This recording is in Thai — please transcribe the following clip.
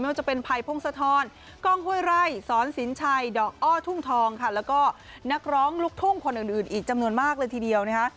ไม่ว่าจะเป็นไพพ่งสะทอนกล้องห้วยไร่สอนสินชัยดอกอ้อทุ่งทองและก็นักร้องลุกทุ่งคนอื่นอีกจำนวนมากเลยทีเดียว